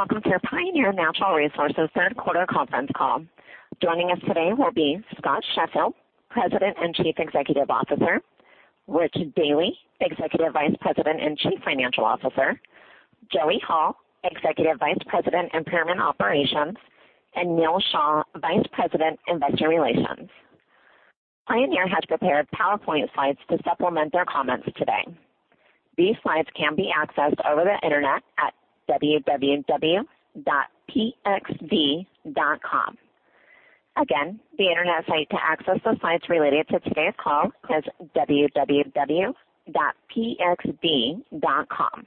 Welcome to Pioneer Natural Resources third quarter conference call. Joining us today will be Scott Sheffield, President and Chief Executive Officer, Rich Dealy, Executive Vice President and Chief Financial Officer, Joey Hall, Executive Vice President, Permian Operations, and Neal Shah, Vice President, Investor Relations. Pioneer has prepared PowerPoint slides to supplement their comments today. These slides can be accessed over the internet at www.pxd.com. The internet site to access the slides related to today's call is www.pxd.com.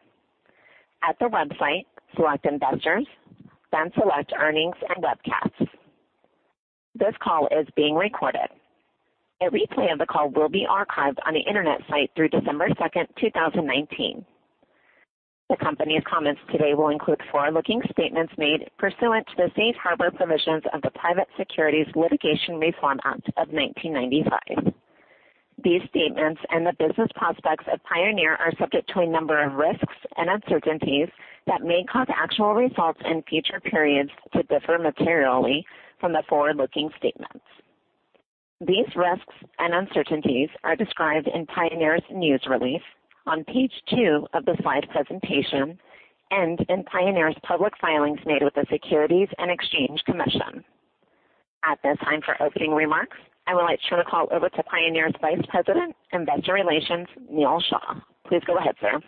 At the website, select Investors, select Earnings and Webcasts. This call is being recorded. A replay of the call will be archived on the internet site through December second, 2019. The company's comments today will include forward-looking statements made pursuant to the safe harbor provisions of the Private Securities Litigation Reform Act of 1995. These statements and the business prospects of Pioneer are subject to a number of risks and uncertainties that may cause actual results in future periods to differ materially from the forward-looking statements. These risks and uncertainties are described in Pioneer's news release, on page two of the slide presentation, and in Pioneer's public filings made with the Securities and Exchange Commission. At this time, for opening remarks, I would like to turn the call over to Pioneer's Vice President, Investor Relations, Neal Shah. Please go ahead, sir.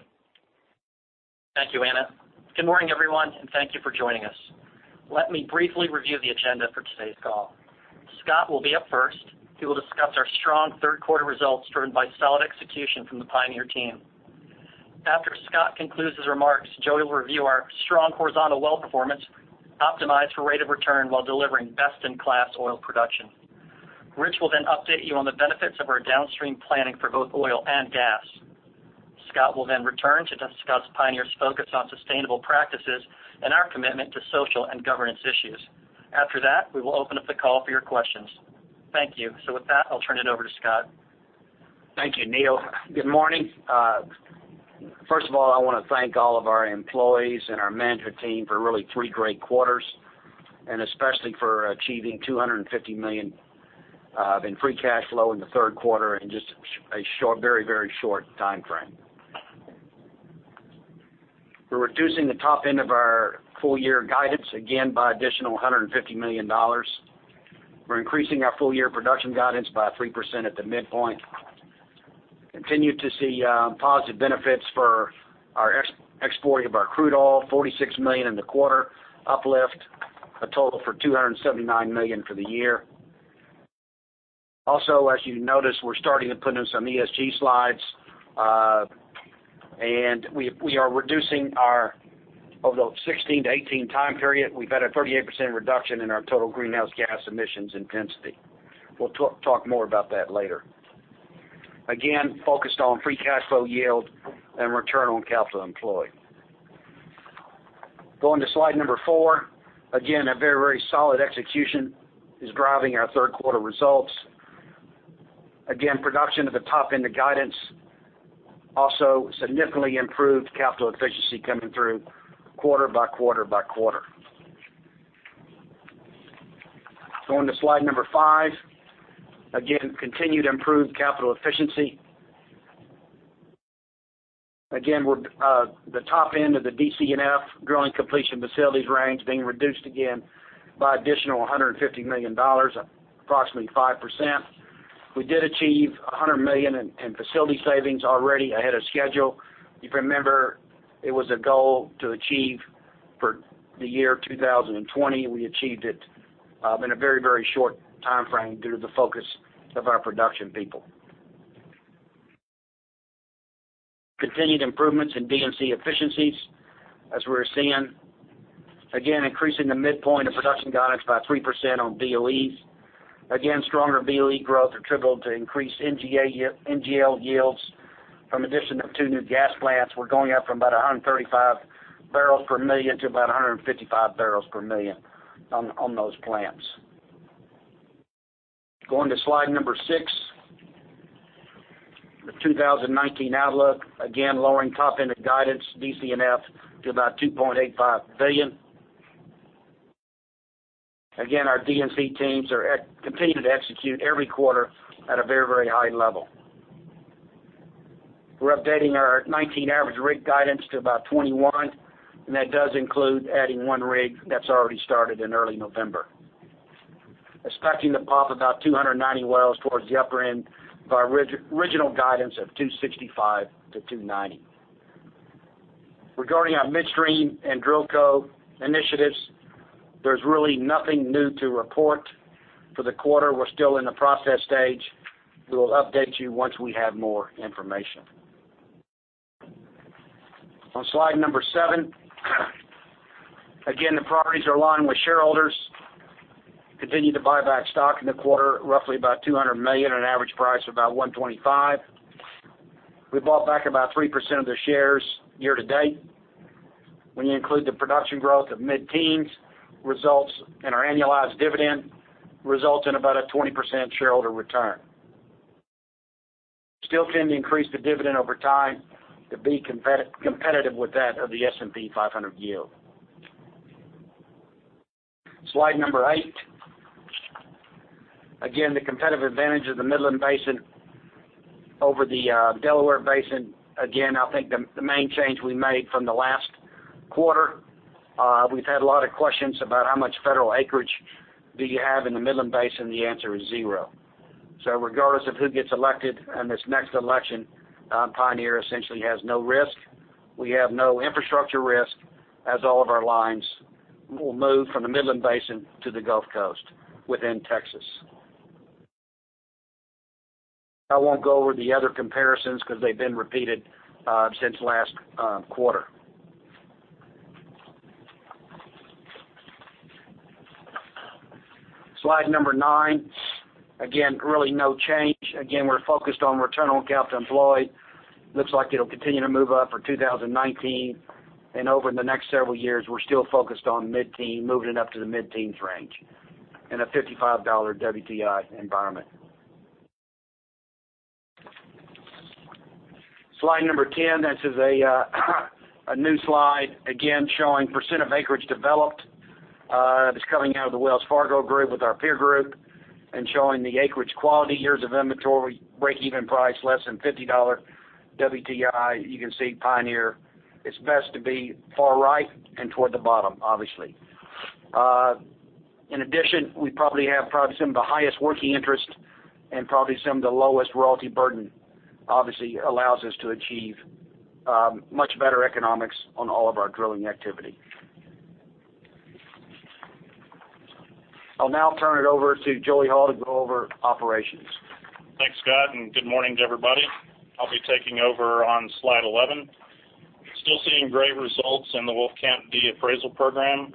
Thank you, Anna. Good morning, everyone, and thank you for joining us. Let me briefly review the agenda for today's call. Scott will be up first. He will discuss our strong third quarter results driven by solid execution from the Pioneer team. After Scott concludes his remarks, Joey will review our strong horizontal well performance, optimized for rate of return while delivering best-in-class oil production. Rich will then update you on the benefits of our downstream planning for both oil and gas. Scott will then return to discuss Pioneer's focus on sustainable practices and our commitment to social and governance issues. After that, we will open up the call for your questions. Thank you. With that, I'll turn it over to Scott. Thank you, Neal. Good morning. I want to thank all of our employees and our management team for really three great quarters, and especially for achieving $250 million in free cash flow in the third quarter in just a very short timeframe. We're reducing the top end of our full year guidance again by additional $150 million. We're increasing our full year production guidance by 3% at the midpoint. Continue to see positive benefits for our exporting of our crude oil, $46 million in the quarter uplift, a total for $279 million for the year. As you notice, we're starting to put in some ESG slides. We are reducing our, over the 2016 to 2018 time period, we've had a 38% reduction in our total greenhouse gas emissions intensity. We'll talk more about that later. Again, focused on free cash flow yield and return on capital employed. Going to slide number four. Again, a very solid execution is driving our third quarter results. Again, production at the top end of guidance. Also, significantly improved capital efficiency coming through quarter by quarter. Going to slide number five. Again, continued improved capital efficiency. Again, the top end of the DC&F drilling completion facilities range being reduced again by additional $150 million, approximately 5%. We did achieve $100 million in facility savings already ahead of schedule. If you remember, it was a goal to achieve for the year 2020. We achieved it in a very short timeframe due to the focus of our production people. Continued improvements in D&C efficiencies as we're seeing. Again, increasing the midpoint of production guidance by 3% on BOEs. Again, stronger BOE growth attributable to increased NGL yields from addition of two new gas plants. We're going up from about 135 barrels per million to about 155 barrels per million on those plants. Going to slide number six. The 2019 outlook, again, lowering top end of guidance, DC&F, to about $2.85 billion. Again, our D&C teams continue to execute every quarter at a very high level. We're updating our 2019 average rig guidance to about 21. That does include adding one rig that's already started in early November. Expecting to POP about 290 wells towards the upper end of our original guidance of 265 to 290. Regarding our midstream and DrillCo initiatives, there's really nothing new to report for the quarter. We're still in the process stage. We will update you once we have more information. On slide number seven. Again, the priorities are aligned with shareholders. Continued to buy back stock in the quarter, roughly about $200 million on an average price of about $125. We bought back about 3% of the shares year to date. When you include the production growth of mid-teens results and our annualized dividend results in about a 20% shareholder return. Still tend to increase the dividend over time to be competitive with that of the S&P 500 yield. Slide number 8. Again, the competitive advantage of the Midland Basin over the Delaware Basin. Again, I think the main change we made from the last quarter, we've had a lot of questions about how much federal acreage do you have in the Midland Basin, the answer is zero. Regardless of who gets elected in this next election, Pioneer essentially has no risk. We have no infrastructure risk, as all of our lines will move from the Midland Basin to the Gulf Coast within Texas. I won't go over the other comparisons because they've been repeated since last quarter. Slide number nine. Really no change. We're focused on return on capital employed. Looks like it'll continue to move up for 2019. Over the next several years, we're still focused on mid-teen, moving it up to the mid-teens range in a $55 WTI environment. Slide number 10. This is a new slide, again, showing % of acreage developed. It's coming out of the Wells Fargo group with our peer group and showing the acreage quality, years of inventory, break-even price less than $50 WTI. You can see Pioneer is best to be far right and toward the bottom, obviously. In addition, we probably have some of the highest working interest and probably some of the lowest royalty burden, obviously allows us to achieve much better economics on all of our drilling activity. I'll now turn it over to Joey Hall to go over operations. Thanks, Scott. Good morning to everybody. I'll be taking over on slide 11. Still seeing great results in the Wolfcamp D appraisal program.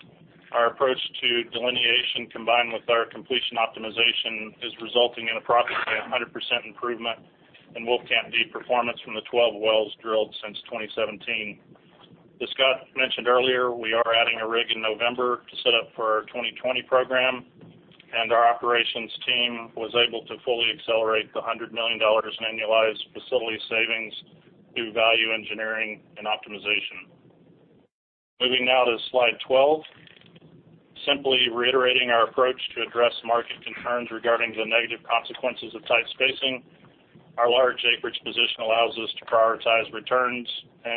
Our approach to delineation, combined with our completion optimization, is resulting in approximately 100% improvement in Wolfcamp D performance from the 12 wells drilled since 2017. As Scott mentioned earlier, we are adding a rig in November to set up for our 2020 program. Our operations team was able to fully accelerate the $100 million in annualized facility savings through value engineering and optimization. Moving now to slide 12. Simply reiterating our approach to address market concerns regarding the negative consequences of tight spacing. Our large acreage position allows us to prioritize returns.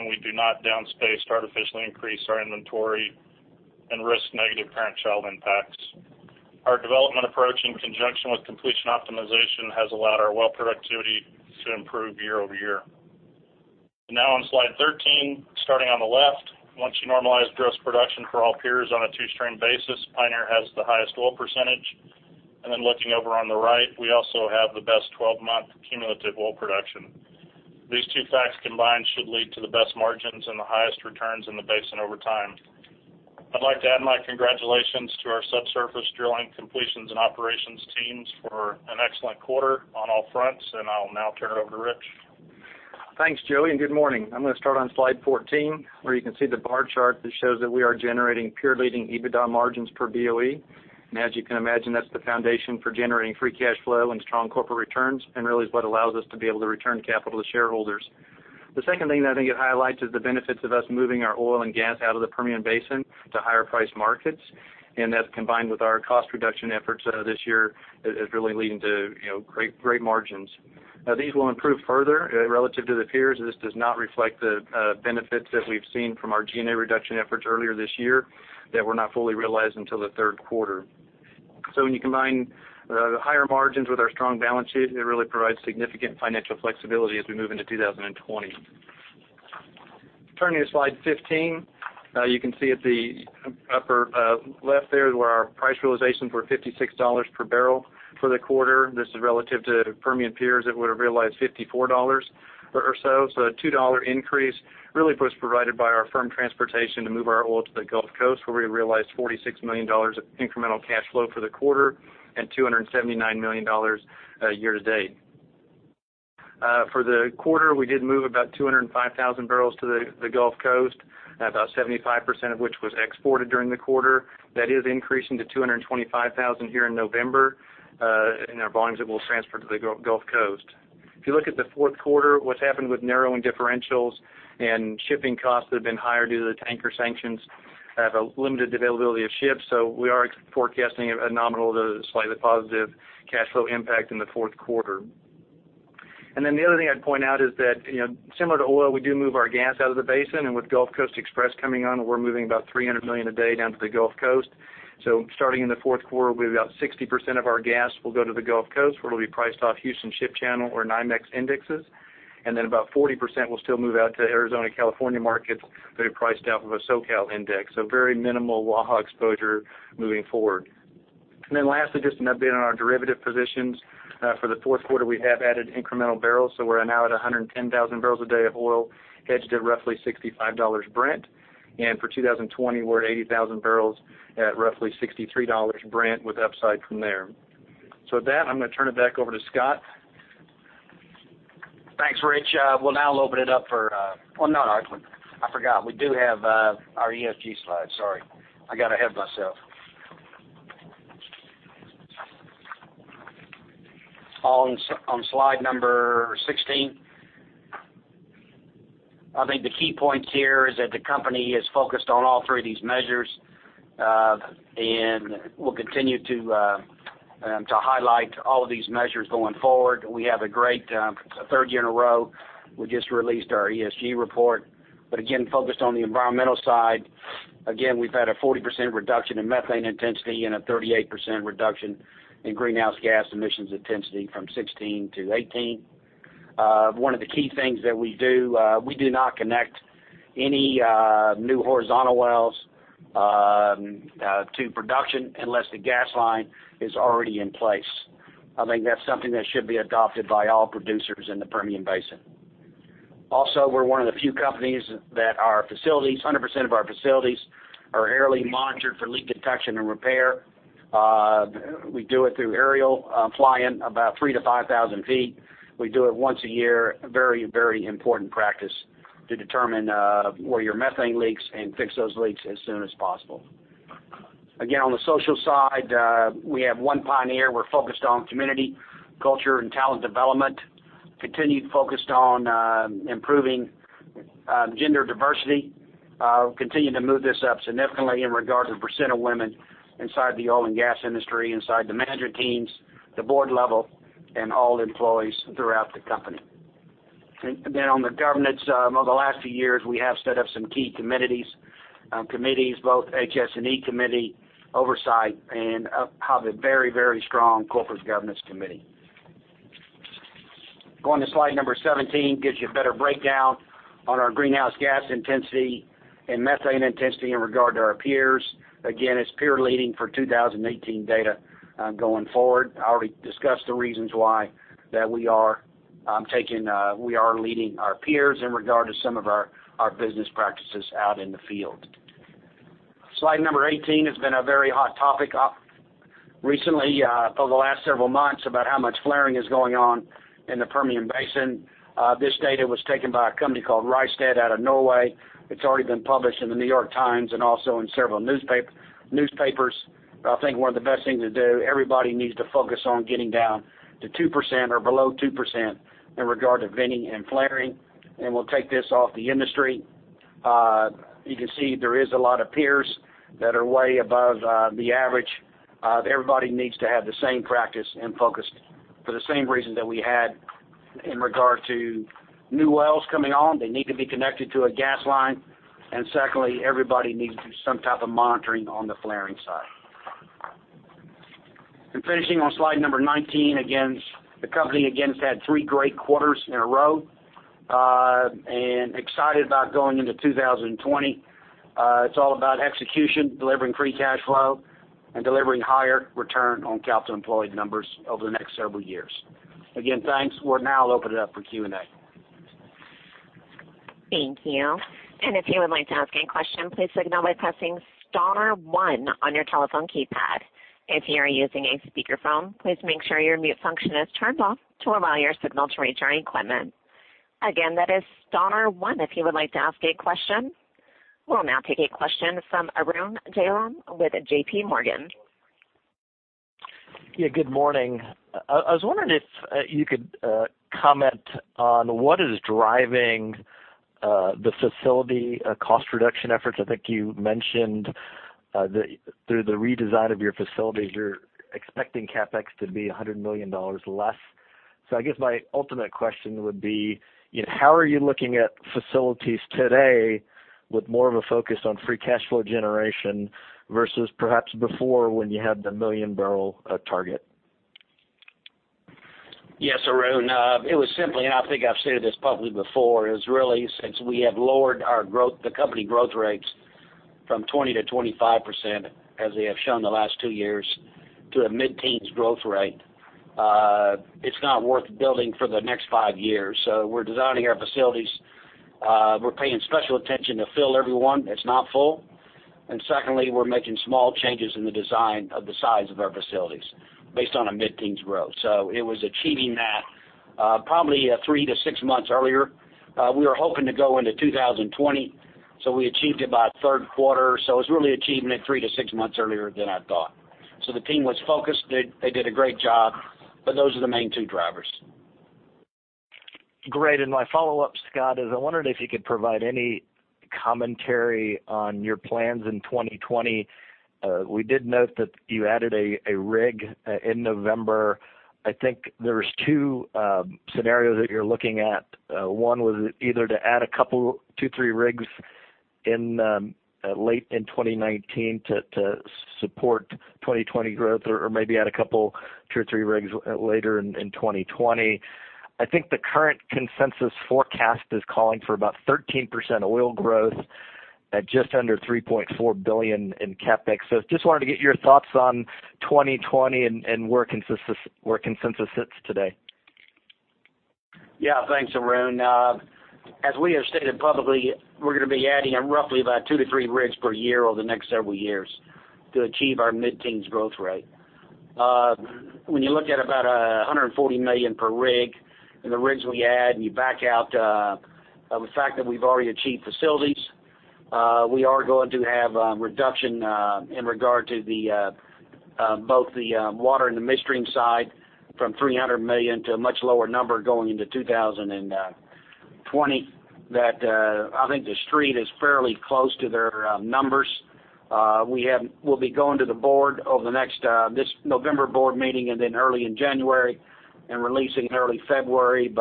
We do not down space to artificially increase our inventory and risk negative parent-child impacts. Our development approach in conjunction with completion optimization has allowed our well productivity to improve year-over-year. Now on slide 13, starting on the left, once you normalize gross production for all peers on a two-stream basis, Pioneer has the highest oil percentage. Looking over on the right, we also have the best 12-month cumulative oil production. These two facts combined should lead to the best margins and the highest returns in the basin over time. I'd like to add my congratulations to our subsurface drilling completions and operations teams for an excellent quarter on all fronts, and I'll now turn it over to Rich. Thanks, Joey. Good morning. I'm going to start on slide 14, where you can see the bar chart that shows that we are generating peer-leading EBITDA margins per BOE. As you can imagine, that's the foundation for generating free cash flow and strong corporate returns, and really is what allows us to be able to return capital to shareholders. That, combined with our cost reduction efforts this year, is really leading to great margins. These will improve further relative to the peers. This does not reflect the benefits that we've seen from our G&A reduction efforts earlier this year that were not fully realized until the third quarter. When you combine the higher margins with our strong balance sheet, it really provides significant financial flexibility as we move into 2020. Turning to slide 15. You can see at the upper left there where our price realizations were $56 per barrel for the quarter. This is relative to Permian peers that would have realized $54 or so. A $2 increase really was provided by our firm transportation to move our oil to the Gulf Coast, where we realized $46 million of incremental cash flow for the quarter and $279 million year to date. For the quarter, we did move about 205,000 barrels to the Gulf Coast, about 75% of which was exported during the quarter. That is increasing to 225,000 here in November in our volumes that we'll transfer to the Gulf Coast. If you look at the fourth quarter, what's happened with narrowing differentials and shipping costs that have been higher due to the tanker sanctions have a limited availability of ships. We are forecasting a nominal to slightly positive cash flow impact in the fourth quarter. The other thing I'd point out is that similar to oil, we do move our gas out of the basin, and with Gulf Coast Express coming on, we're moving about 300 million a day down to the Gulf Coast. Starting in the fourth quarter, we have about 60% of our gas will go to the Gulf Coast, where it'll be priced off Houston Ship Channel or NYMEX indexes. About 40% will still move out to Arizona, California markets. They're priced off of a SoCal index, so very minimal Waha exposure moving forward. Lastly, just an update on our derivative positions. For the fourth quarter, we have added incremental barrels, so we're now at 110,000 barrels a day of oil hedged at roughly $65 Brent. For 2020, we're at 80,000 barrels at roughly $63 Brent with upside from there. With that, I'm going to turn it back over to Scott. Thanks, Rich. We'll now open it up for. Well, no. I forgot we do have our ESG slide. Sorry. I got ahead of myself. On slide number 16, I think the key points here is that the company is focused on all three of these measures. We'll continue to highlight all of these measures going forward. We have a great third year in a row. We just released our ESG report. Again, focused on the environmental side. Again, we've had a 40% reduction in methane intensity and a 38% reduction in greenhouse gas emissions intensity from 2016 to 2018. One of the key things that we do, we do not connect any new horizontal wells to production unless the gas line is already in place. I think that's something that should be adopted by all producers in the Permian Basin. We're one of the few companies that our facilities, 100% of our facilities are annually monitored for leak detection and repair. We do it through aerial flying about 3,000 to 5,000 feet. We do it once a year. A very important practice to determine where your methane leaks and fix those leaks as soon as possible. On the social side, we have One Pioneer. We're focused on community, culture, and talent development. Continued focused on improving gender diversity. Continue to move this up significantly in regard to the % of women inside the oil and gas industry, inside the management teams, the board level, and all employees throughout the company. On the governance, over the last few years, we have set up some key committees, both HS&E committee oversight, and have a very strong corporate governance committee. Going to slide number 17, gives you a better breakdown on our greenhouse gas intensity and methane intensity in regard to our peers. Again, it's peer leading for 2018 data, going forward. I already discussed the reasons why that we are leading our peers in regard to some of our business practices out in the field. Slide number 18 has been a very hot topic up recently, over the last several months about how much flaring is going on in the Permian Basin. This data was taken by a company called Rystad out of Norway. It's already been published in The New York Times and also in several newspapers. I think one of the best things to do, everybody needs to focus on getting down to 2% or below 2% in regard to venting and flaring, and we'll take this off the industry. You can see there is a lot of peers that are way above the average. Everybody needs to have the same practice and focus for the same reason that we had in regard to new wells coming on. They need to be connected to a gas line. Secondly, everybody needs to do some type of monitoring on the flaring side. Finishing on slide number 19. The company again has had three great quarters in a row, and excited about going into 2020. It's all about execution, delivering free cash flow, and delivering higher return on capital employed numbers over the next several years. Again, thanks. We'll now open it up for Q&A. Thank you. If you would like to ask any question, please signal by pressing star one on your telephone keypad. If you are using a speakerphone, please make sure your mute function is turned off to allow your signal to reach our equipment. Again, that is star one if you would like to ask a question. We'll now take a question from Arun Jayaram with JPMorgan. Good morning. I was wondering if you could comment on what is driving the facility cost reduction efforts. I think you mentioned through the redesign of your facilities, you're expecting CapEx to be $100 million less. I guess my ultimate question would be, how are you looking at facilities today with more of a focus on free cash flow generation versus perhaps before when you had the million barrel target? Yes, Arun. It was simply, I think I've stated this publicly before, is really since we have lowered the company growth rates from 20%-25%, as they have shown the last two years, to a mid-teens growth rate. It's not worth building for the next five years. We're designing our facilities. We're paying special attention to fill every one that's not full. Secondly, we're making small changes in the design of the size of our facilities based on a mid-teens growth. It was achieving that probably three to six months earlier. We were hoping to go into 2020, we achieved it by third quarter. It was really achieving it three to six months earlier than I thought. The team was focused. They did a great job, those are the main two drivers. Great. My follow-up, Scott, is I wondered if you could provide any commentary on your plans in 2020. We did note that you added a rig in November. I think there's two scenarios that you're looking at. One was either to add a couple, two, three rigs late in 2019 to support 2020 growth or maybe add a couple, two or three rigs later in 2020. I think the current consensus forecast is calling for about 13% oil growth at just under $3.4 billion in CapEx. Just wanted to get your thoughts on 2020 and where consensus sits today. Thanks, Arun. As we have stated publicly, we're going to be adding roughly about two to three rigs per year over the next several years to achieve our mid-teens growth rate. When you look at about $140 million per rig and the rigs we add, and you back out the fact that we've already achieved facilities. We are going to have a reduction in regard to both the water and the midstream side, from $300 million to a much lower number going into 2020. I think the street is fairly close to their numbers. We'll be going to the board over this November board meeting, and then early in January, and releasing early February.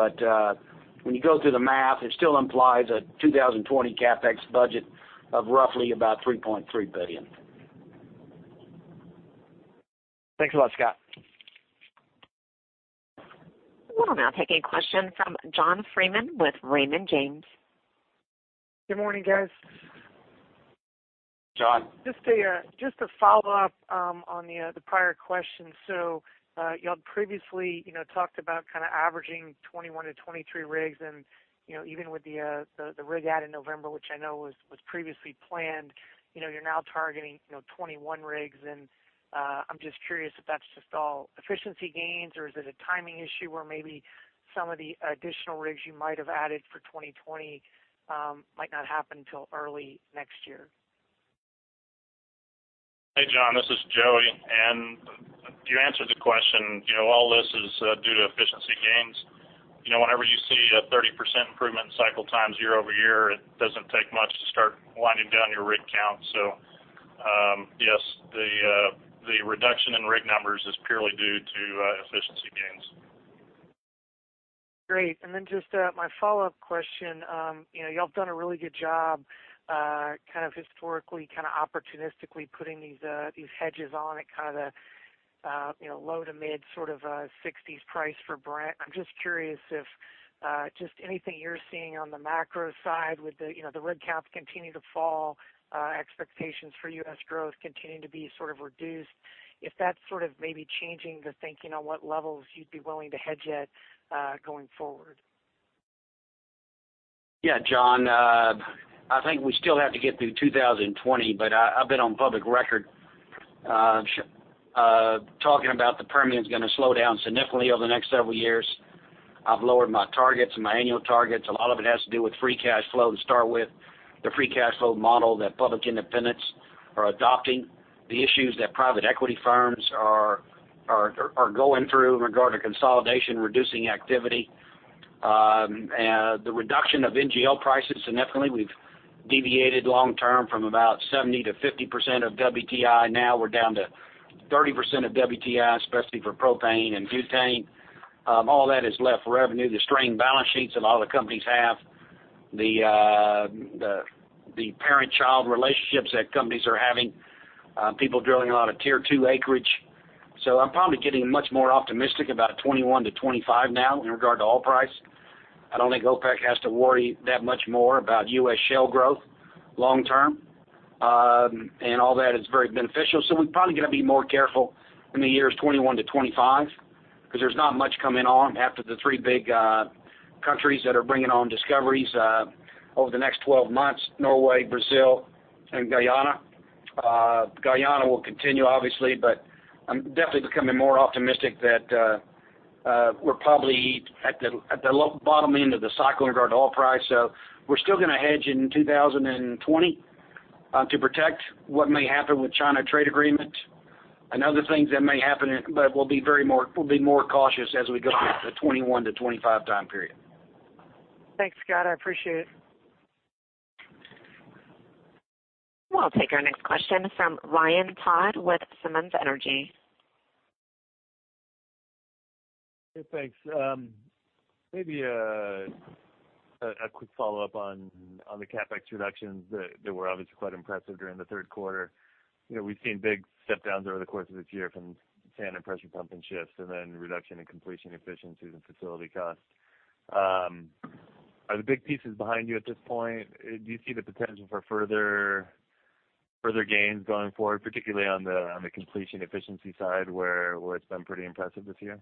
When you go through the math, it still implies a 2020 CapEx budget of roughly about $3.3 billion. Thanks a lot, Scott. We'll now take a question from John Freeman with Raymond James. Good morning, guys. John. Just to follow up on the prior question. You all previously talked about kind of averaging 21 to 23 rigs, and even with the rig add in November, which I know was previously planned, you're now targeting 21 rigs. I'm just curious if that's just all efficiency gains, or is it a timing issue where maybe some of the additional rigs you might have added for 2020 might not happen until early next year? Hey, John, this is Joey. You answered the question. All this is due to efficiency gains. Whenever you see a 30% improvement in cycle times year-over-year, it doesn't take much to start winding down your rig count. Yes, the reduction in rig numbers is purely due to efficiency gains. Great. Just my follow-up question. You all have done a really good job kind of historically, kind of opportunistically putting these hedges on at kind of the low to mid sort of 60s price for Brent. I'm just curious if just anything you're seeing on the macro side with the rig counts continuing to fall, expectations for U.S. growth continuing to be sort of reduced, if that's sort of maybe changing the thinking on what levels you'd be willing to hedge at going forward. John, I think we still have to get through 2020. I've been on public record talking about the Permian's going to slow down significantly over the next several years. I've lowered my targets and my annual targets. A lot of it has to do with free cash flow to start with. The free cash flow model that public independents are adopting, the issues that private equity firms are going through in regard to consolidation, reducing activity, the reduction of NGL prices significantly. We've deviated long term from about 70% to 50% of WTI. Now we're down to 30% of WTI, especially for propane and butane. All that is left for revenue to strain balance sheets that a lot of the companies have. The parent-child relationships that companies are having, people drilling a lot of Tier 2 acreage. I'm probably getting much more optimistic about 2021 to 2025 now in regard to oil price. I don't think OPEC has to worry that much more about U.S. shale growth long term. All that is very beneficial. We're probably going to be more careful in the years 2021 to 2025, because there's not much coming on after the three big countries that are bringing on discoveries over the next 12 months, Norway, Brazil, and Guyana. Guyana will continue, obviously, but I'm definitely becoming more optimistic that we're probably at the bottom end of the cycle in regard to oil price. We're still going to hedge in 2020 to protect what may happen with China trade agreement and other things that may happen, but we'll be more cautious as we go through the 2021 to 2025 time period. Thanks, Scott. I appreciate it. We'll take our next question from Ryan Todd with Simmons Energy. Hey, thanks. Maybe a quick follow-up on the CapEx reductions that were obviously quite impressive during the third quarter. We've seen big step downs over the course of this year from sand and pressure pumping shifts and then reduction in completion efficiencies and facility costs. Are the big pieces behind you at this point? Do you see the potential for further gains going forward, particularly on the completion efficiency side, where it's been pretty impressive this year?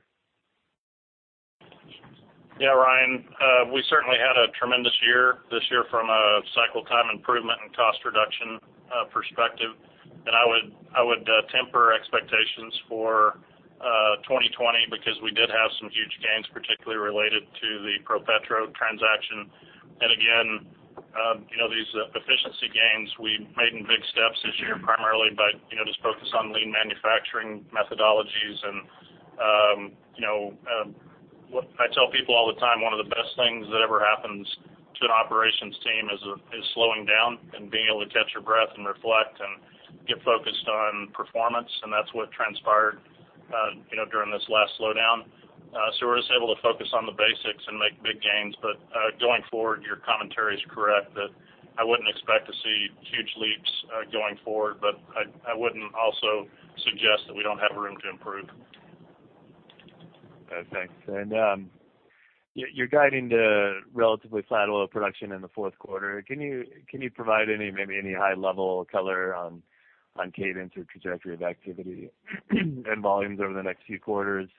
Yeah, Ryan. We certainly had a tremendous year this year from a cycle time improvement and cost reduction perspective. I would temper expectations for 2020 because we did have some huge gains, particularly related to the ProPetro transaction. Again, these efficiency gains we made in big steps this year, primarily by just focus on lean manufacturing methodologies. I tell people all the time, one of the best things that ever happens to an operations team is slowing down and being able to catch your breath and reflect and get focused on performance. That's what transpired during this last slowdown. We're just able to focus on the basics and make big gains. Going forward, your commentary is correct that I wouldn't expect to see huge leaps going forward, but I wouldn't also suggest that we don't have room to improve. Okay, thanks. You're guiding to relatively flat oil production in the fourth quarter. Can you provide maybe any high-level color on cadence or trajectory of activity and volumes over the next few quarters,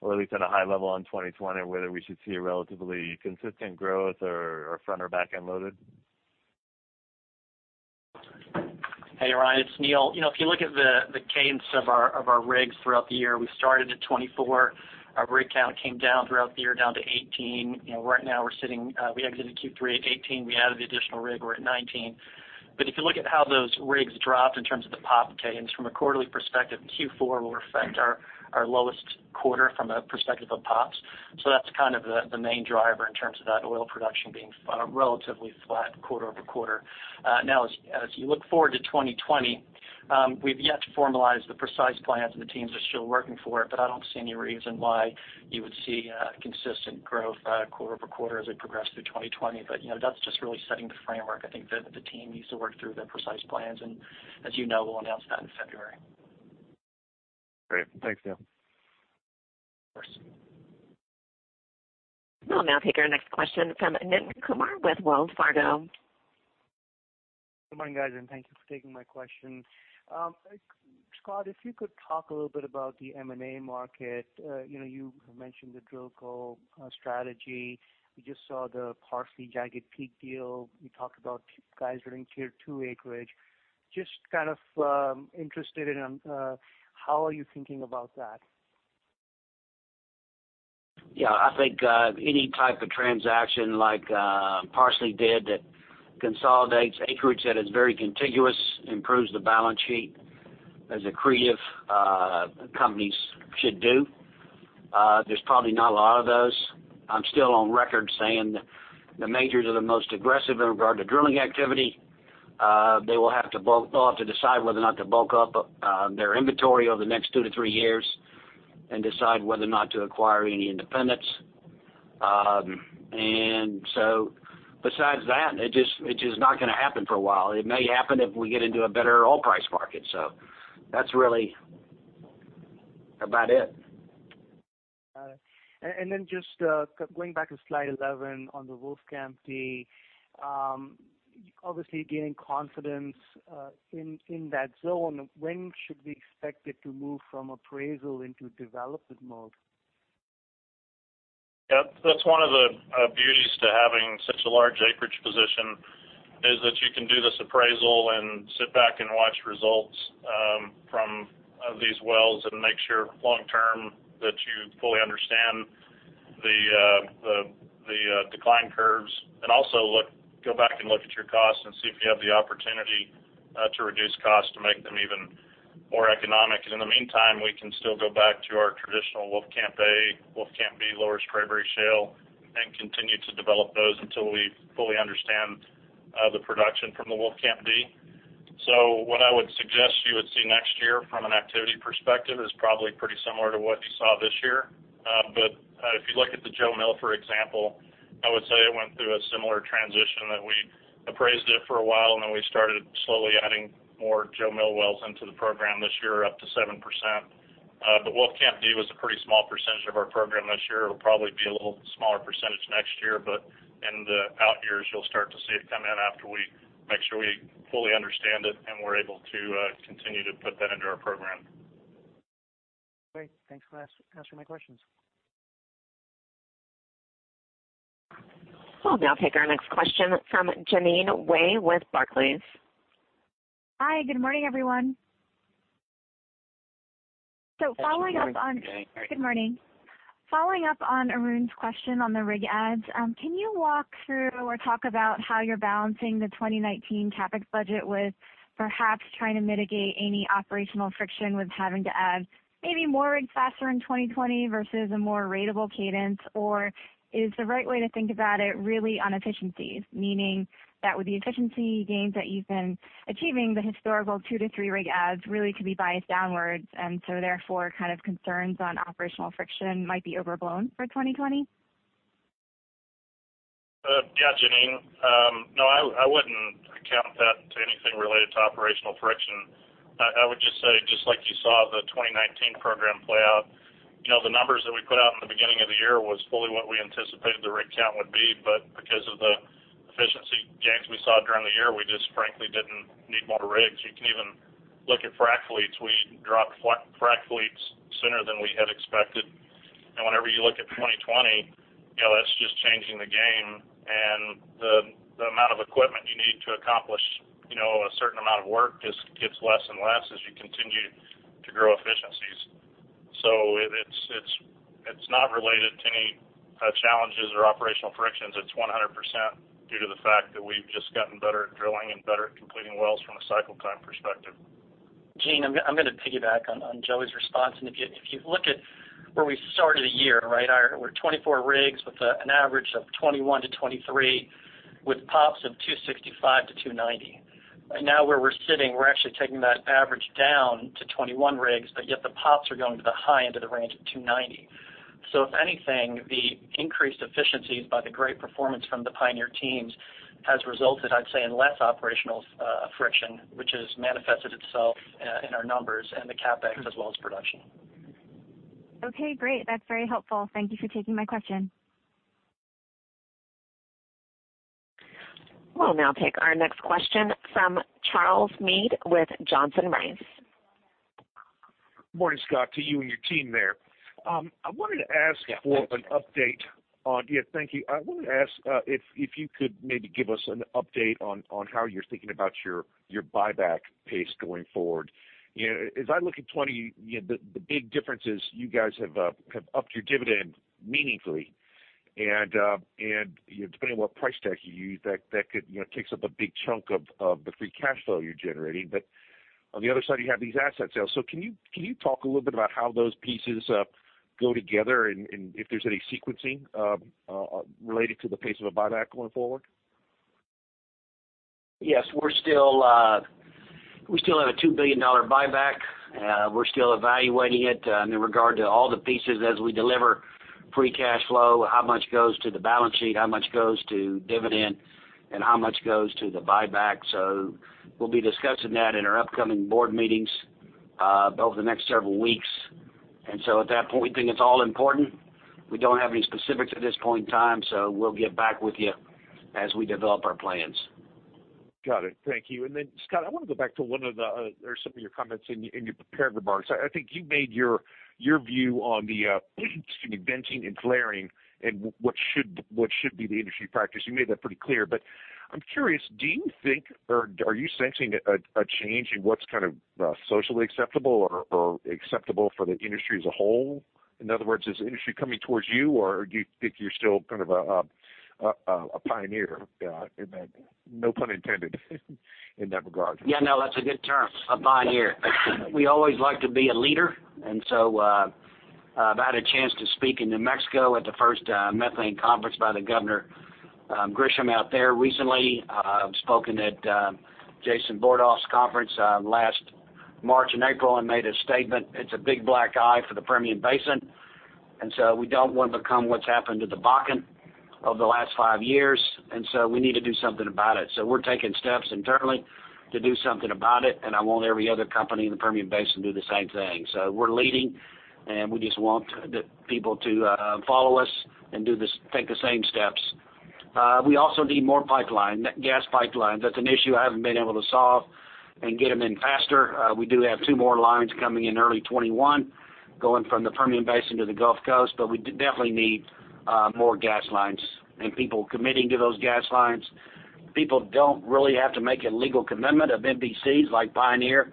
or at least at a high level on 2020, whether we should see a relatively consistent growth or front or back-end loaded? Hey, Ryan, it's Neal. If you look at the cadence of our rigs throughout the year, we started at 24. Our rig count came down throughout the year down to 18. We exited Q3 at 18. We added the additional rig. We're at 19. If you look at how those rigs dropped in terms of the POP cadence from a quarterly perspective, Q4 will reflect our lowest quarter from a perspective of POPs. That's kind of the main driver in terms of that oil production being relatively flat quarter-over-quarter. As you look forward to 2020, we've yet to formalize the precise plans, and the teams are still working for it, but I don't see any reason why you would see a consistent growth, quarter-over-quarter as we progress through 2020. That's just really setting the framework. I think the team needs to work through the precise plans, and as you know, we'll announce that in February. Great. Thanks, Neal. Of course. We'll now take our next question from Nitin Kumar with Wells Fargo. Good morning, guys, thank you for taking my question. Scott, if you could talk a little bit about the M&A market. You have mentioned the DrillCo strategy. We just saw the Parsley, Jagged Peak deal. We talked about guys are in tier 2 acreage. Just kind of interested in how are you thinking about that? Yeah, I think, any type of transaction like Parsley did that consolidates acreage that is very contiguous, improves the balance sheet as accretive companies should do. There's probably not a lot of those. I'm still on record saying the majors are the most aggressive in regard to drilling activity. They will have to decide whether or not to bulk up their inventory over the next two to three years and decide whether or not to acquire any independents. Besides that, it's just not going to happen for a while. It may happen if we get into a better oil price market. That's really about it. Got it. Just going back to slide 11 on the Wolfcamp D, obviously gaining confidence, in that zone. When should we expect it to move from appraisal into development mode? Yep. That's one of the beauties to having such a large acreage position, is that you can do this appraisal and sit back and watch results from these wells and make sure long term that you fully understand the decline curves, and also go back and look at your costs and see if you have the opportunity to reduce costs to make them even more economic. In the meantime, we can still go back to our traditional Wolfcamp A, Wolfcamp B, Lower Spraberry shale, and continue to develop those until we fully understand the production from the Wolfcamp D. What I would suggest you would see next year from an activity perspective is probably pretty similar to what you saw this year. If you look at the Jo Mill, for example, I would say it went through a similar transition that we appraised it for a while, and then we started slowly adding more Jo Mill wells into the program this year, up to 7%. The Wolfcamp D was a pretty small percentage of our program this year. It'll probably be a little smaller percentage next year, but in the out years you'll start to see it come in after we make sure we fully understand it and we're able to continue to put that into our program. Great. Thanks for asking my questions. We'll now take our next question from Jeanine Wai with Barclays. Hi, good morning, everyone. Good morning. Good morning. Following up on Arun's question on the rig adds, can you walk through or talk about how you're balancing the 2019 CapEx budget with perhaps trying to mitigate any operational friction with having to add maybe more rigs faster in 2020 versus a more ratable cadence? Or is the right way to think about it really on efficiencies, meaning that with the efficiency gains that you've been achieving, the historical two to three rig adds really could be biased downwards, and so therefore kind of concerns on operational friction might be overblown for 2020? Yeah, Jeanine. No, I wouldn't account that to anything related to operational friction. I would just say, just like you saw the 2019 program play out, the numbers that we put out in the beginning of the year was fully what we anticipated the rig count would be. Because of the efficiency gains we saw during the year, we just frankly didn't need more rigs. You can even look at frac fleets. We dropped frac fleets sooner than we had expected. Whenever you look at 2020, that's just changing the game, and the amount of equipment you need to accomplish a certain amount of work just gets less and less as you continue to grow efficiencies. It's not related to any challenges or operational frictions. It's 100% due to the fact that we've just gotten better at drilling and better at completing wells from a cycle time perspective. Jeanine, I'm going to piggyback on Joey's response. If you look at where we started the year, right? We're 24 rigs with an average of 21-23 with POPs of 265-290. Now where we're sitting, we're actually taking that average down to 21 rigs, yet the POPs are going to the high end of the range at 290. If anything, the increased efficiencies by the great performance from the Pioneer teams has resulted, I'd say, in less operational friction, which has manifested itself in our numbers and the CapEx as well as production. Okay, great. That's very helpful. Thank you for taking my question. We'll now take our next question from Charles Meade with Johnson Rice. Morning, Scott, to you and your team there. I wanted to ask for an update. Yeah, thank you. I wanted to ask if you could maybe give us an update on how you're thinking about your buyback pace going forward. As I look at 2020, the big difference is you guys have upped your dividend meaningfully. Depending on what price tag you use, that takes up a big chunk of the free cash flow you're generating. On the other side, you have these asset sales. Can you talk a little bit about how those pieces go together, and if there's any sequencing related to the pace of a buyback going forward? Yes. We still have a $2 billion buyback. We're still evaluating it in regard to all the pieces as we deliver free cash flow, how much goes to the balance sheet, how much goes to dividend, and how much goes to the buyback. We'll be discussing that in our upcoming board meetings over the next several weeks. At that point, we think it's all important. We don't have any specifics at this point in time, so we'll get back with you as we develop our plans. Got it. Thank you. Scott, I want to go back to some of your comments in your prepared remarks. I think you made your view on the venting and flaring and what should be the industry practice. You made that pretty clear. I'm curious, do you think or are you sensing a change in what's socially acceptable or acceptable for the industry as a whole? In other words, is the industry coming towards you, or do you think you're still a pioneer, no pun intended in that regard? Yeah, no, that's a good term, a pioneer. We always like to be a leader. I've had a chance to speak in New Mexico at the first methane conference by Governor Grisham out there recently. I've spoken at Jason Bordoff's conference last March and April and made a statement. It's a big black eye for the Permian Basin. We don't want to become what's happened to the Bakken over the last five years. We need to do something about it. We're taking steps internally to do something about it, and I want every other company in the Permian Basin to do the same thing. We're leading, and we just want the people to follow us and take the same steps. We also need more pipeline, gas pipelines. That's an issue I haven't been able to solve and get them in faster. We do have two more lines coming in early 2021, going from the Permian Basin to the Gulf Coast. We definitely need more gas lines and people committing to those gas lines. People don't really have to make a legal commitment of MVCs like Pioneer.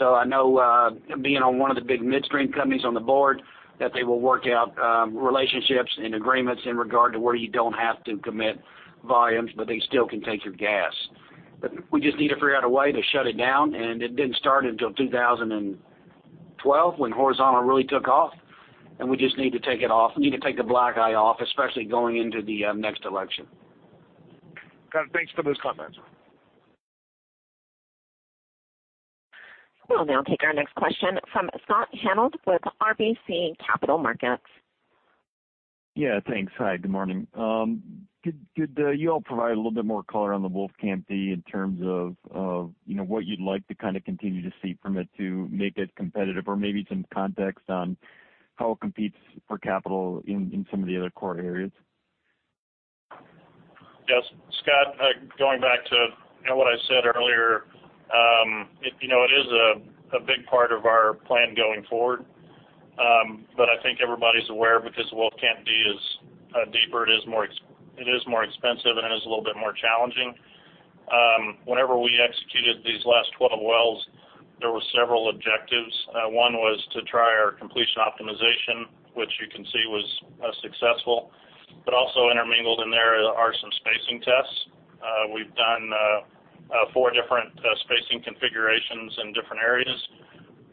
I know, being on one of the big midstream companies on the board, that they will work out relationships and agreements in regard to where you don't have to commit volumes, but they still can take your gas. We just need to figure out a way to shut it down, and it didn't start until 2012, when horizontal really took off. We just need to take the black eye off, especially going into the next election. Got it. Thanks for those comments. We'll now take our next question from Scott Hanold with RBC Capital Markets. Yeah, thanks. Hi, good morning. Could you all provide a little bit more color on the Wolfcamp D in terms of what you'd like to continue to see from it to make it competitive, or maybe some context on how it competes for capital in some of the other core areas? Yes. Scott, going back to what I said earlier. It is a big part of our plan going forward. I think everybody's aware because Wolfcamp D is deeper, it is more expensive, and it is a little bit more challenging. Whenever we executed these last 12 wells, there were several objectives. One was to try our completion optimization, which you can see was successful. Also intermingled in there are some spacing tests. We've done four different spacing configurations in different areas.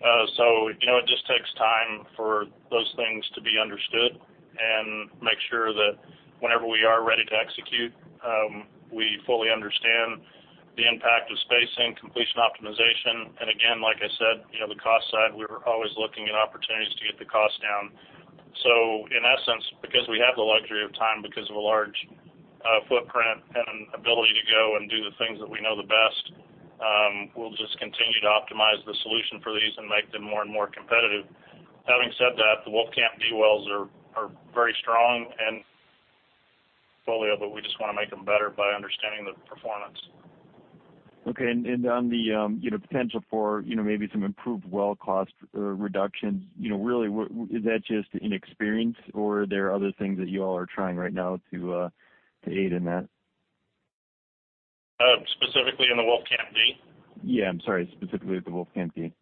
It just takes time for those things to be understood and make sure that whenever we are ready to execute, we fully understand the impact of spacing, completion optimization, and again, like I said, the cost side. We're always looking at opportunities to get the cost down. In essence, because we have the luxury of time because of a large footprint and ability to go and do the things that we know the best, we'll just continue to optimize the solution for these and make them more and more competitive. Having said that, the Wolfcamp D wells are very strong and folio, we just want to make them better by understanding the performance. Okay. On the potential for maybe some improved well cost reductions, really, is that just inexperience, or are there other things that you all are trying right now to aid in that? Specifically in the Wolfcamp D? Yeah. I'm sorry, specifically with the Wolfcamp D.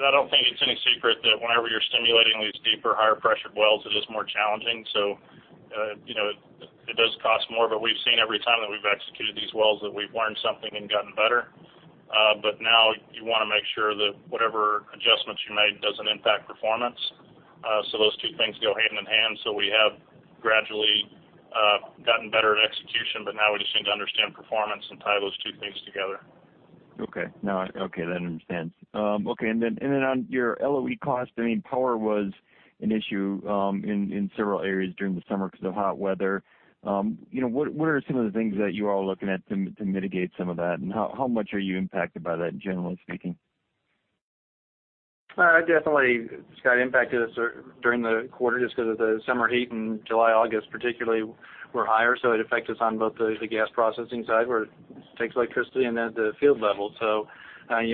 I don't think it's any secret that whenever you're stimulating these deeper, higher pressured wells, it is more challenging, so it does cost more. We've seen every time that we've executed these wells that we've learned something and gotten better. Now you want to make sure that whatever adjustments you made doesn't impact performance. Those two things go hand in hand. We have gradually gotten better at execution, but now we just need to understand performance and tie those two things together. Okay. No, okay. Then on your LOE cost, power was an issue in several areas during the summer because of hot weather. What are some of the things that you all are looking at to mitigate some of that, and how much are you impacted by that, generally speaking? It definitely, Scott, impacted us during the quarter just because of the summer heat in July, August particularly were higher. It affected us on both the gas processing side, where it takes electricity, and at the field level.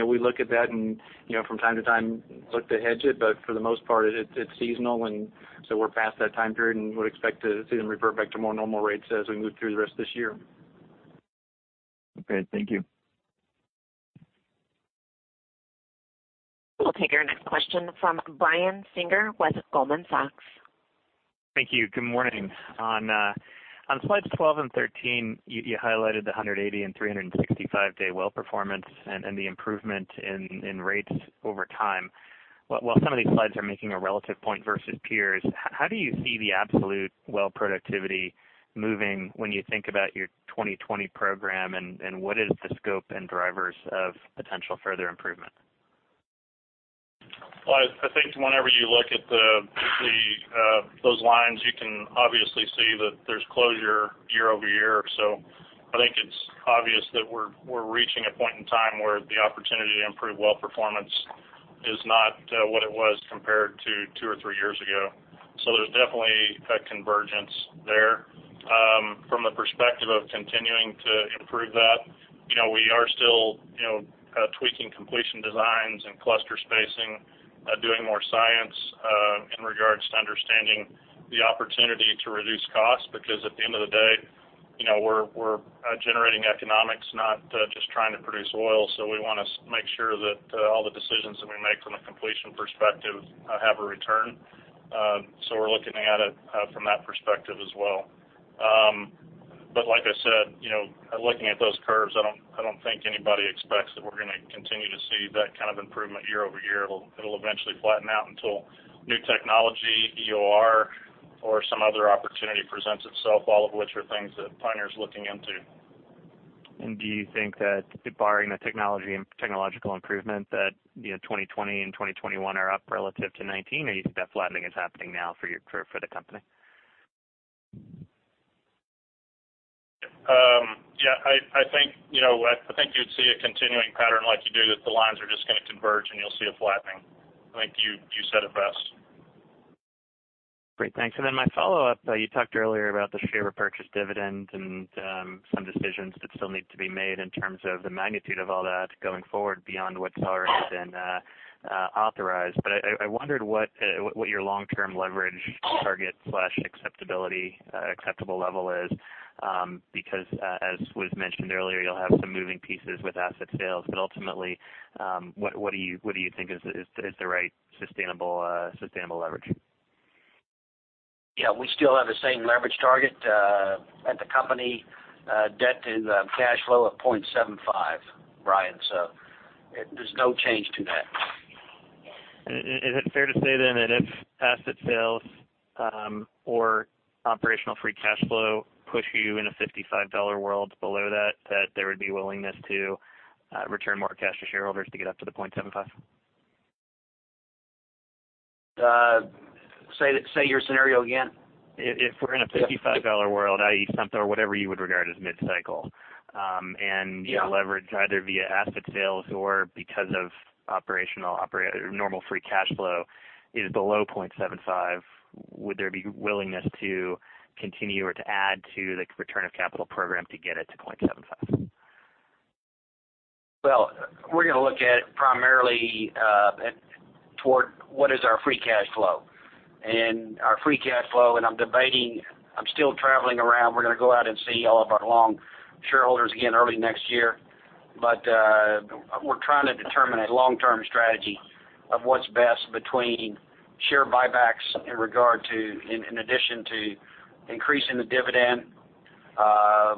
We look at that and from time to time look to hedge it, but for the most part, it's seasonal. We're past that time period and would expect to see them revert back to more normal rates as we move through the rest of this year. Okay. Thank you. We'll take our next question from Brian Singer with Goldman Sachs. Thank you. Good morning. On slides 12 and 13, you highlighted the 180- and 365-day well performance and the improvement in rates over time. While some of these slides are making a relative point versus peers, how do you see the absolute well productivity moving when you think about your 2020 program, and what is the scope and drivers of potential further improvement? Well, I think whenever you look at those lines, you can obviously see that there's closure year-over-year. I think it's obvious that we're reaching a point in time where the opportunity to improve well performance is not what it was compared to two or three years ago. There's definitely a convergence there. From the perspective of continuing to improve that, we are still tweaking completion designs and cluster spacing, doing more science in regards to understanding the opportunity to reduce costs. At the end of the day, we're generating economics, not just trying to produce oil. We want to make sure that all the decisions that we make from a completion perspective have a return. We're looking at it from that perspective as well. Like I said, looking at those curves, I don't think anybody expects that we're going to continue to see that kind of improvement year-over-year. It'll eventually flatten out until new technology, EOR, or some other opportunity presents itself, all of which are things that Pioneer's looking into. Do you think that barring the technological improvement that 2020 and 2021 are up relative to 2019, or do you think that flattening is happening now for the company? Yeah, I think you'd see a continuing pattern like you do, that the lines are just going to converge, and you'll see a flattening. I think you said it best. Great, thanks. My follow-up, you talked earlier about the share repurchase dividend and some decisions that still need to be made in terms of the magnitude of all that going forward beyond what's already been authorized. I wondered what your long-term leverage target/acceptable level is, because as was mentioned earlier, you'll have some moving pieces with asset sales, but ultimately, what do you think is the right sustainable leverage? We still have the same leverage target at the company, debt to cash flow of 0.75, Brian, there's no change to that. Is it fair to say then that if asset sales or operational free cash flow push you in a $55 world below that there would be willingness to return more cash to shareholders to get up to the 0.75? Say your scenario again. If we're in a $55 world, i.e., something or whatever you would regard as mid-cycle, and your leverage either via asset sales or because of normal free cash flow is below 0.75, would there be willingness to continue or to add to the return of capital program to get it to 0.75? Well, we're going to look at primarily toward what is our free cash flow. Our free cash flow, and I'm debating, I'm still traveling around. We're going to go out and see all of our long shareholders again early next year. We're trying to determine a long-term strategy of what's best between share buybacks in addition to increasing the dividend,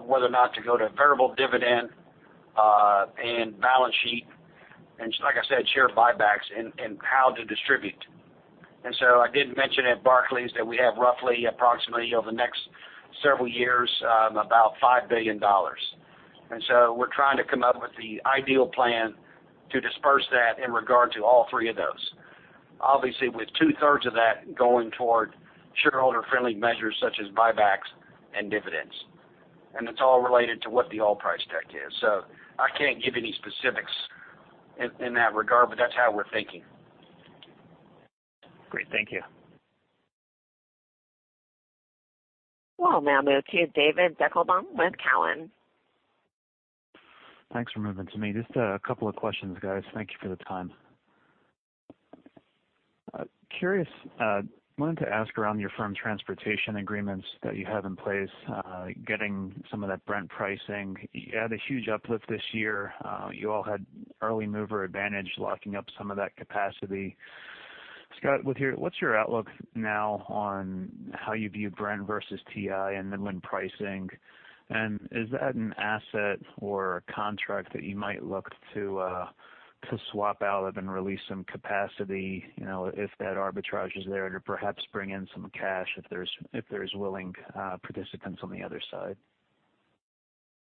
whether or not to go to a variable dividend, and balance sheet, and like I said, share buybacks and how to distribute. I did mention at Barclays that we have roughly approximately over the next several years, about $5 billion. We're trying to come up with the ideal plan to disperse that in regard to all three of those. Obviously, with two-thirds of that going toward shareholder-friendly measures such as buybacks and dividends. It's all related to what the oil price deck is. I can't give any specifics in that regard, but that's how we're thinking. Great. Thank you. We'll now move to David Deckelbaum with Cowen. Thanks for moving to me. Just a couple of questions, guys. Thank you for the time. Curious, wanted to ask around your firm transportation agreements that you have in place, getting some of that Brent pricing. You had a huge uplift this year. You all had early mover advantage locking up some of that capacity. Scott, what's your outlook now on how you view Brent versus WTI and Midland pricing? Is that an asset or a contract that you might look to swap out of and release some capacity, if that arbitrage is there to perhaps bring in some cash if there's willing participants on the other side?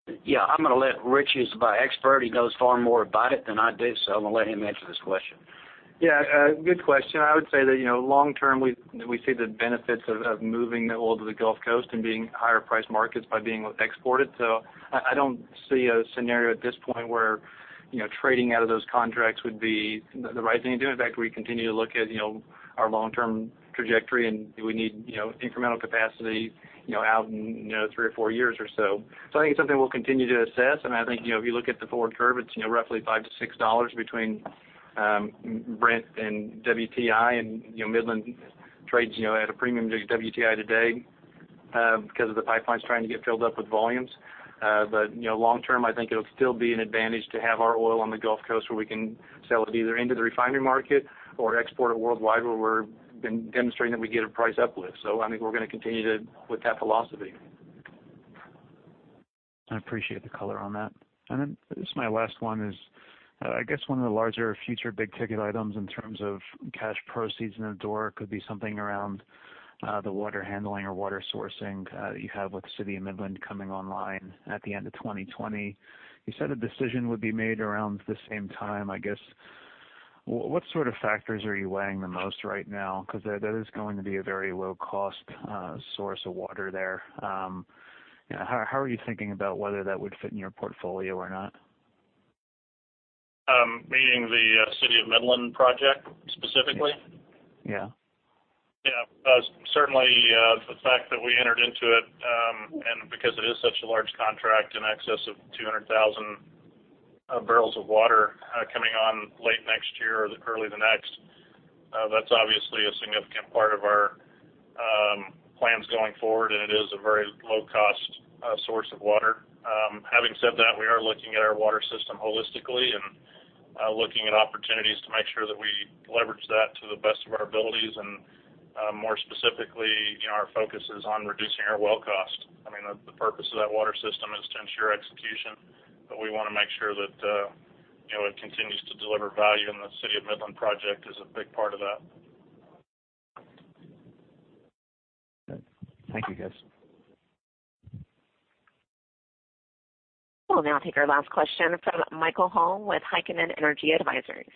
I'm going to let Rich, he's my expert. He knows far more about it than I do, so I'm going to let him answer this question. Good question. I would say that, long-term, we see the benefits of moving the oil to the Gulf Coast and being higher priced markets by being exported. I don't see a scenario at this point where trading out of those contracts would be the right thing to do. In fact, we continue to look at our long-term trajectory, and do we need incremental capacity out in three or four years or so. I think it's something we'll continue to assess, and I think, if you look at the forward curve, it's roughly $5-$6 between Brent and WTI, and Midland trades at a premium to WTI today because of the pipelines trying to get filled up with volumes. Long-term, I think it'll still be an advantage to have our oil on the Gulf Coast, where we can sell it either into the refinery market or export it worldwide, where we've been demonstrating that we get a price uplift. I think we're going to continue with that philosophy. I appreciate the color on that. This is my last one is, I guess one of the larger future big-ticket items in terms of cash proceeds in the door could be something around the water handling or water sourcing you have with the City of Midland coming online at the end of 2020. You said a decision would be made around the same time. I guess, what sort of factors are you weighing the most right now? That is going to be a very low-cost source of water there. How are you thinking about whether that would fit in your portfolio or not? Meaning the City of Midland project specifically? Yeah. Yeah. Certainly, the fact that we entered into it, and because it is such a large contract, in excess of 200,000 barrels of water coming on late next year or early the next. That's obviously a significant part of our plans going forward, and it is a very low-cost source of water. Having said that, we are looking at our water system holistically and looking at opportunities to make sure that we leverage that to the best of our abilities. More specifically, our focus is on reducing our well cost. I mean, the purpose of that water system is to ensure execution, but we want to make sure that it continues to deliver value, and the City of Midland project is a big part of that. Good. Thank you, guys. We'll now take our last question from Michael Hall with Heikkinen Energy Advisors.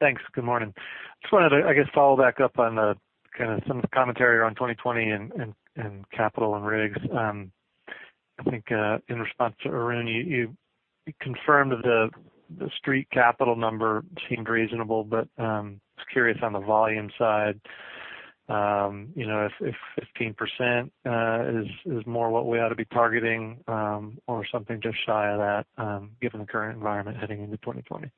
Thanks. Good morning. Just wanted to, I guess, follow back up on kind of some of the commentary around 2020 and capital and rigs. I think, in response to Arun, you confirmed that the Street capital number seemed reasonable, but I was curious on the volume side, if 15% is more what we ought to be targeting or something just shy of that given the current environment heading into 2020.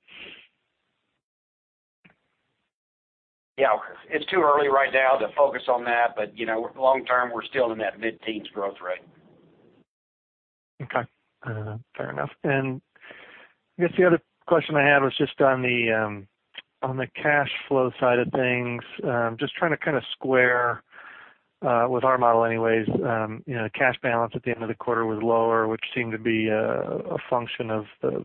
It's too early right now to focus on that. Long-term, we're still in that mid-teens growth rate. Okay. Fair enough. I guess the other question I had was just on the cash flow side of things. Just trying to kind of square with our model anyways. Cash balance at the end of the quarter was lower, which seemed to be a function of the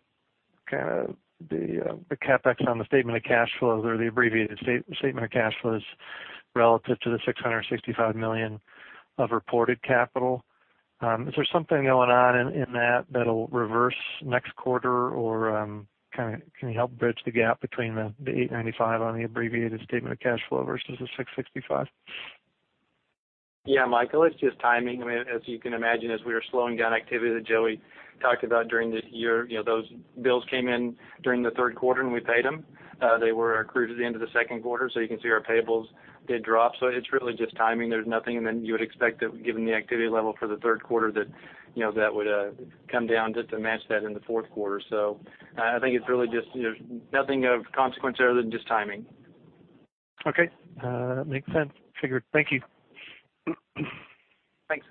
kind of the CapEx on the statement of cash flows, or the abbreviated statement of cash flows relative to the $665 million of reported capital. Is there something going on in that that'll reverse next quarter, or can you help bridge the gap between the $895 on the abbreviated statement of cash flow versus the $665? Michael, it's just timing. I mean, as you can imagine, as we were slowing down activity that Joey talked about during the year, those bills came in during the third quarter, and we paid them. They were accrued at the end of the second quarter, you can see our payables did drop. It's really just timing. You would expect that given the activity level for the third quarter, that would come down just to match that in the fourth quarter. I think it's really just there's nothing of consequence other than just timing. Okay. Makes sense. Figured. Thank you. Thanks.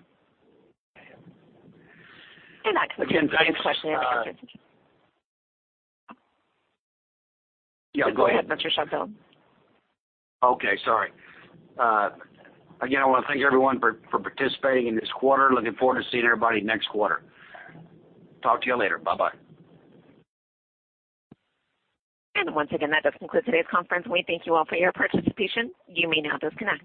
That concludes. Again, guys. Final question. Yeah, go ahead. Go ahead. That's your show, Bill. Okay. Sorry. Again, I want to thank everyone for participating in this quarter. Looking forward to seeing everybody next quarter. Talk to you all later. Bye-bye. Once again, that does conclude today's conference, and we thank you all for your participation. You may now disconnect.